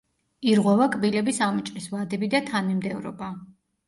ირღვევა კბილების ამოჭრის ვადები და თანმიმდევრობა.